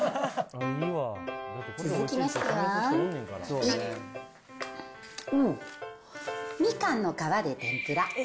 続きましては、おー、みかんの皮で天ぷら。